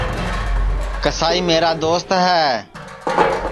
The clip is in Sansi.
کسائی میرا دوست ہے